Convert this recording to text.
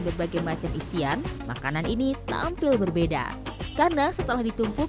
berbagai macam isian makanan ini tampil berbeda karena setelah ditumpuk